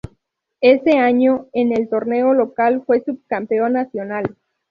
Ese año en el torneo local fue subcampeón nacional.